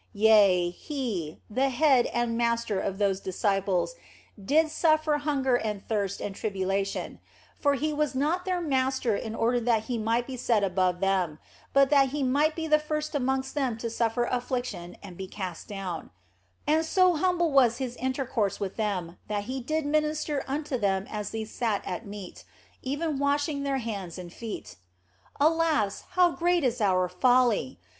Yea, He, the Head and Master of 62 THE BLESSED ANGELA those disciples, did suffer hunger and thirst and tribula tion ; for He was not their Master in order that He might be set above them, but that He might be the first amongst them to suffer affliction and be cast down ; and so humble was His intercourse with them that He did minister unto them as they sat at meat, even washing their hands and their feet. Alas, how great is our folly